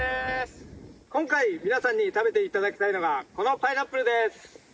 今回皆さんに食べて頂きたいのがこのパイナップルです！